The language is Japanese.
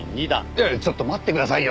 いやいやちょっと待ってくださいよ！